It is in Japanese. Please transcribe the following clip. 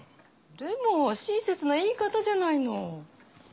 でも親切ないい方じゃないの。